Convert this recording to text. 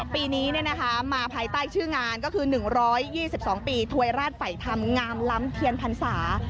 ปีนี้มาภายใต้ชื่องานก็คือ๑๒๒ปีถวยราชไฝ่ธรรมงามล้ำเทียนพรรษา